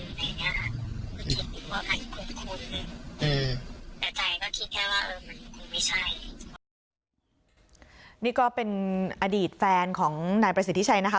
มันคุณไม่ใช่นี่ก็เป็นอดีตแฟนของนายประสิทธิ์ชัยนะคะ